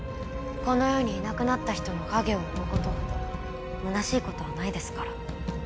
この世にいなくなった人の影を追うことほどむなしいことはないですから。